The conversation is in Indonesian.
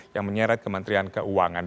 yang menyeret kementerian keuangan